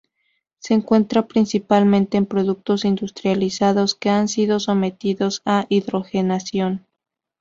Se encuentran principalmente en productos industrializados que han sido sometidos a hidrogenación.